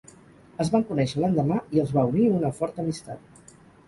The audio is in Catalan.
Es van conèixer l'endemà, i els va unir una forta amistat.